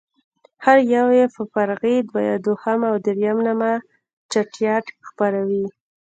هر يو يې په فرعي دوهم او درېم نامه چټياټ خپروي.